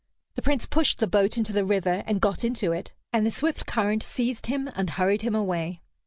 The Prince pushed the boat into the river, and got into it, and the swift current seized him and hurried him away.